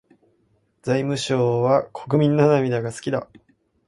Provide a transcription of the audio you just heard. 財務省は国民の涙が好きだ。